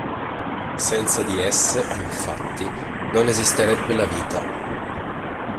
Senza di esse, infatti, non esisterebbe la vita.